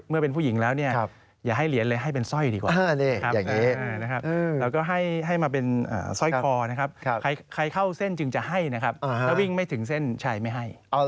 มื่อเป็นผู้หญิงอย่าให้เหลียนเลยให้เป็นสร้อยกว่า